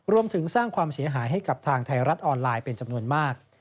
รวมถึงสร้างความเสียหายให้กับทางไทยรัฐออนไลน์เป็นจำนวนมาก